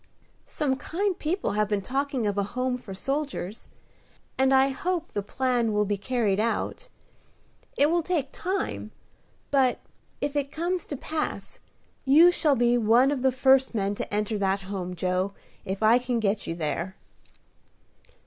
"Some kind people have been talking of a home for soldiers, and I hope the plan will be carried out. It will take time; but, if it comes to pass, you shall be one of the first men to enter that home, Joe, if I can get you there."